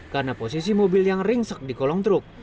karena posisi mobil yang ringsek di kolong truk